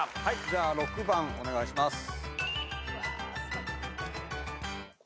じゃあ６番お願いします。